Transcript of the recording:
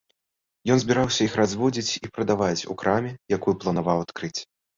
Ён збіраўся іх разводзіць і прадаваць у краме, якую планаваў адкрыць.